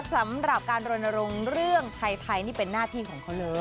สำหรับการรณรงค์เรื่องไทยนี่เป็นหน้าที่ของเขาเลย